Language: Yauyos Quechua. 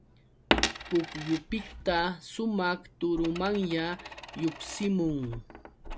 Pukyupiqta sumaq turumanya lluqsimun.